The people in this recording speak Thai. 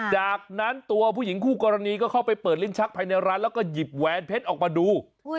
จากนั้นตัวผู้หญิงคู่กรณีก็เข้าไปเปิดลิ้นชักภายในร้านแล้วก็หยิบแหวนเพชรออกมาดู